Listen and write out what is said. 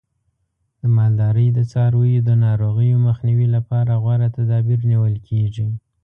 د مالدارۍ د څارویو د ناروغیو مخنیوي لپاره غوره تدابیر نیول کېږي.